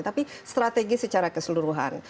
tapi strategi secara keseluruhan